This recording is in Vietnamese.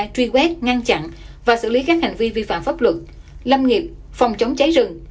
truy quét ngăn chặn và xử lý các hành vi vi phạm pháp luật lâm nghiệp phòng chống cháy rừng